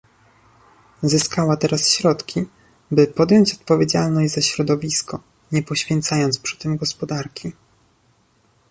Zyskała teraz środki, by podjąć odpowiedzialność za środowisko, nie poświęcając przy tym gospodarki